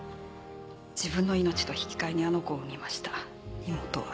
自分の命と引き換えにあの子を産みました妹は。